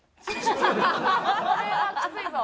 これはきついぞ。